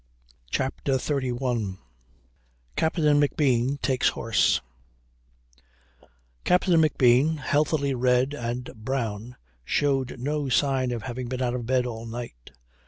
CHAPTER XXXI CAPTAIN McBEAN TAKES HORSE Captain McBean, healthily red and brown, showed no sign of having been out of bed all night.